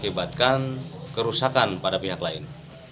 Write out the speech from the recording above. akibatkan kerusakan pada pihak lain